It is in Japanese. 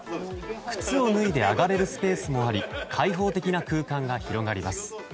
靴を脱いで上がれるスペースもあり開放的な空間が広がります。